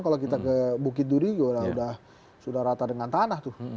kalau kita ke bukit duri sudah rata dengan tanah tuh